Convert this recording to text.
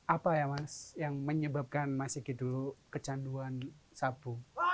apa ya mas yang menyebabkan mas sigit dulu kecanduan sapu